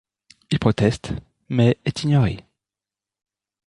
Il proteste, mais est ignoré.